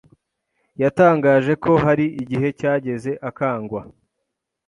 yatangaje ko hari igihe cyageze akangwa